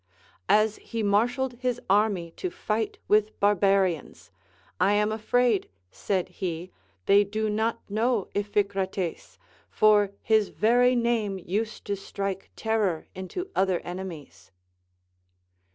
As he marshalled his army to fight with barbarians, I am afraid, said he, they do not know Iphicrates, for his very name used to strike terror into other enemies.